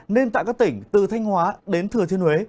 nên tại các tỉnh từ thanh hóa đến thừa thiên huế